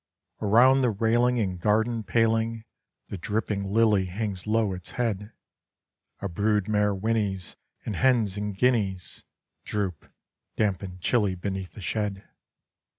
Around the railing and garden paling The dripping lily hangs low its head: A brood mare whinnies; and hens and guineas Droop, damp and chilly, beneath the shed.